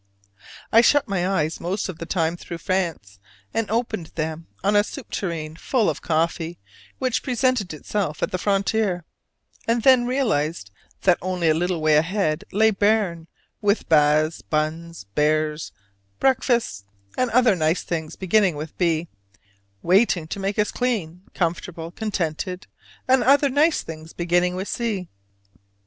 I shut my eyes most of the time through France, and opened them on a soup tureen full of coffee which presented itself at the frontier: and then realized that only a little way ahead lay Berne, with baths, buns, bears, breakfast, and other nice things beginning with B, waiting to make us clean, comfortable, contented, and other nice things beginning with C.